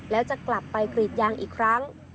แล้วจะกลับไปกรีดยางอีกครั้ง